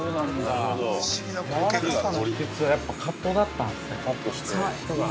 ◆やわらかさの秘訣はやっぱカットだったんですね。